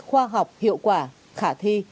khoa học hiệu quả khả thi